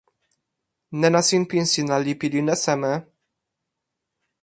nena sinpin sina li pilin e seme?